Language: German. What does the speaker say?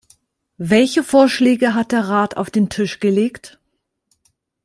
Welche Vorschläge hat der Rat auf den Tisch gelegt?